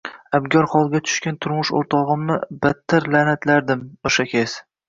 Abgor holga tushgan turmush o`rtog`imni battar la`natlardim o`sha kez